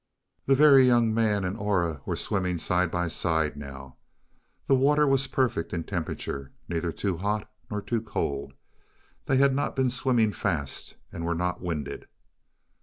The Very Young Man and Aura were swimming side by side, now. The water was perfect in temperature neither too hot nor too cold; they had not been swimming fast, and were not winded.